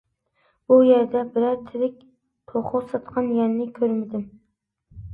بۇ يەردە بىرەر تېرىك توخۇ ساتقان يەرنى كۆرمىدىم.